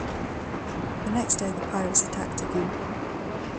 The next day the pirates attacked again.